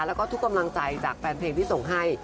แล้วก็ทุกกำลังใจจากแฟนเพลงที่ส่งให้